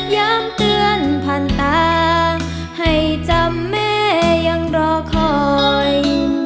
เตือนผ่านตาให้จำแม่ยังรอคอย